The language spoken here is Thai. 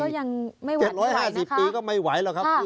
มันก็ยังไม่ไหวไม่ไหวนะคะเจ็ดร้อยห้าสิบปีก็ไม่ไหวแล้วครับ